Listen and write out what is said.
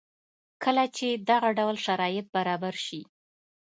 کله چې دغه ډول شرایط برابر شي